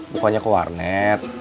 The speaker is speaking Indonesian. bukannya ke warnet